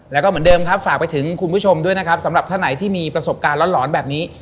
แล้วก็เหมือนเดิมครับฝากไปถึงคุณผู้ชมด้วยนะครับสำหรับท่านไหนที่มีประสบการณ์หลอนแบบนี้